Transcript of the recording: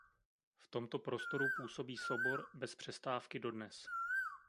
V tomto prostoru působí soubor bez přestávky dodnes.